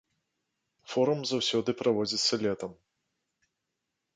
Форум заўсёды праводзіцца летам.